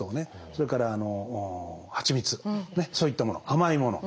それからはちみつそういったもの甘いもの。